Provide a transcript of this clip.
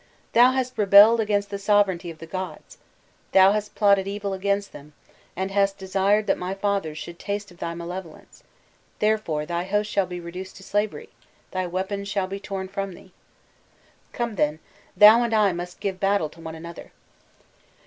"'Thou hast rebelled against the sovereignty of the gods, thou hast plotted evil against them, and hast desired that my fathers should taste of thy malevolence; therefore thy host shall be reduced to slavery, thy weapons shall be torn from thee. Come, then, thou and I must give battle to one another!